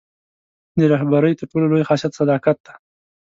د رهبرۍ تر ټولو لوی خاصیت صداقت دی.